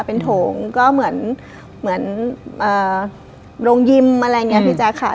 เป็นโถงก็เหมือนโรงยิมอะไรอย่างนี้พี่แจ๊คค่ะ